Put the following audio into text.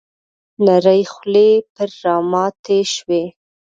نرۍ خولې پر راماتې شوې .